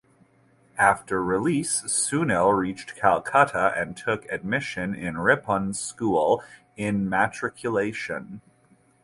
After release Sunil reached Calcutta and took admission in Rippon School in Matriculation.